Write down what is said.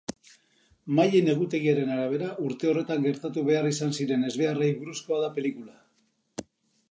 Maien egutegiagiaren arabera urte horretan gertatu behar izan ziren ezbeharrei buruzkoa da pelikula.